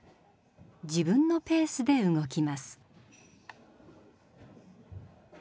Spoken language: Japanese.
自分のペースで動きます。